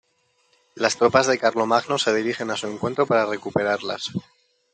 Las tropas de Carlomagno se dirigen a su encuentro para recuperarlas.